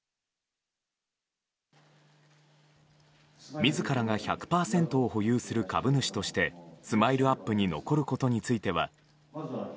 自らが１００％を保有する株主としてＳＭＩＬＥ‐ＵＰ．に残ることについては。